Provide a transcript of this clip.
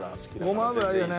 ごま油いいよね。